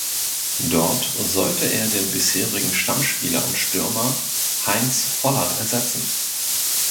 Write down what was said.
Dort sollte er den bisherigen Stammspieler und Stürmer Heinz Vollert ersetzen.